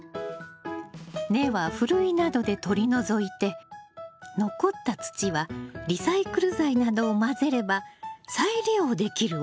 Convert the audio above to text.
根はふるいなどで取り除いて残った土はリサイクル剤などを混ぜれば再利用できるわよ。